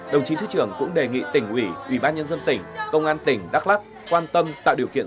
đồng chí thứ trưởng cũng đề nghị tỉnh ủy ủy ban nhân dân tỉnh công an tỉnh đắk lắc quan tâm tạo điều kiện